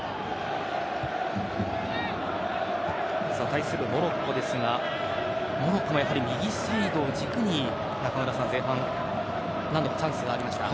対するモロッコですがモロッコもやはり右サイドを軸に、前半何度かチャンスがありました。